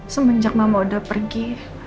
semenjak mama udah pergi